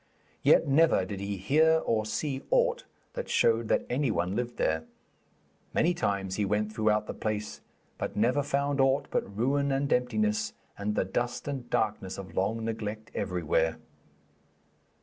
Yet never did he hear or see aught that showed that any one lived there. Many times he went throughout the place, but never found aught but ruin and emptiness, and the dust and darkness of long neglect everywhere.